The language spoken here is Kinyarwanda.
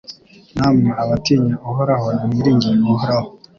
Namwe abatinya Uhoraho nimwiringire Uhoraho